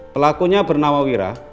pelakunya bernama wira